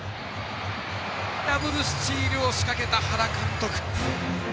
ダブルスチールを仕掛けた原監督。